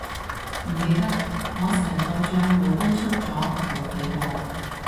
唔記得，我成個帳戶登出咗冇睇過